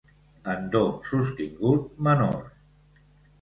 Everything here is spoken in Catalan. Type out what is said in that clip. En do sostingut menor.